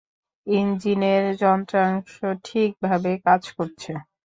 ইঞ্জিনের যন্ত্রাংশ ঠিকভাবে কাজ করছে।